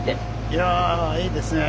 いやぁいいですね。